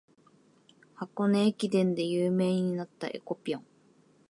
箱根駅伝で有名になった「えこぴょん」